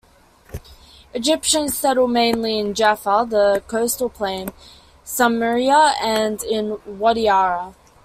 Egyptians settled mainly in Jaffa, the Coastal plain, Samaria and in Wadi Ara.